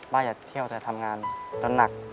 ป้าอยากเที่ยวจะทำงานจนหนัก